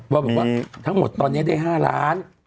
ว่าแบบว่าทั้งหมดตอนนี้ได้๕ล้าน